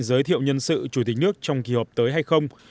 giới thiệu nhân sự chủ tịch nước trong kỳ họp tới hay không